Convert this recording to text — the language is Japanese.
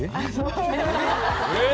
えっ？